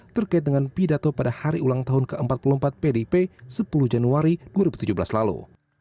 terkait dengan pidato pada hari ulang tahun ke empat puluh empat pdip sepuluh januari dua ribu tujuh belas lalu